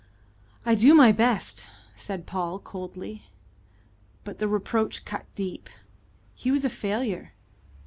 "I do my best," said Paul coldly, but the reproach cut deep. He was a failure.